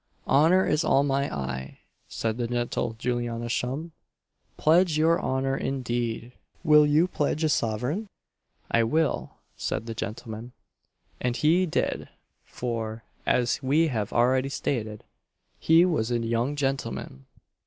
"Honour is all my eye," said the gentle Juliana Shum?" pledge your honour indeed! will you pledge a sovereign?" "I will!" said the gentleman; and he did for, as we have already stated, he was a young gentleman.